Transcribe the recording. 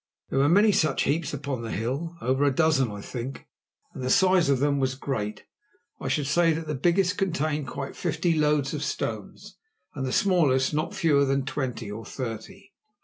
There were many such heaps upon the hill, over a dozen, I think, and the size of them was great. I should say that the biggest contained quite fifty loads of stones, and the smallest not fewer than twenty or thirty.